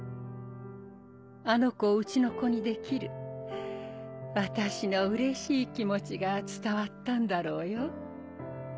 あの子をうちの子にできる私のうれしい気持ちが伝わったんだろうよ。